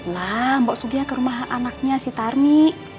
lah mbok suginya ke rumah anaknya si tarni